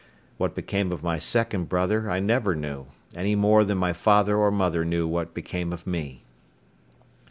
What became of my second brother I never knew, any more than my father or mother knew what became of me.